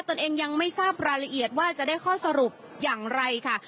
ตัวเองยังไม่ทราบรายละเอียดว่าจะได้ข้อสรุปอย่างไรค่ะ